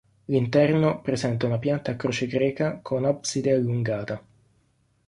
L'interno presenta una pianta a croce greca con abside allungata.